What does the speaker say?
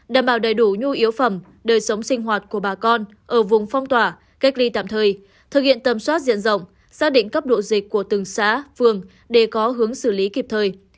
đảm bảo đầy đủ nhu yếu phẩm đời sống sinh hoạt của bà con ở vùng phong tỏa cách ly tạm thời thực hiện tầm soát diện rộng xác định cấp độ dịch của từng xã phường để có hướng xử lý kịp thời